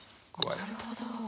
なるほど。